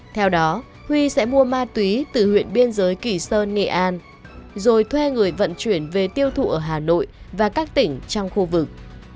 theo đó huy sẽ mua ma túy từ huyện biên giới kỳ sơn nghệ an rồi thuê người vận chuyển về tiêu thụ ở hà nội và các tỉnh trong khu vực